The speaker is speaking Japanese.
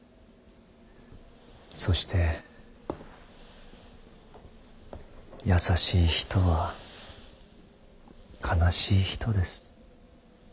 そして優しい人は悲しい人です。